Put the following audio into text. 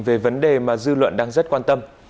về vấn đề mà dư luận đang rất quan tâm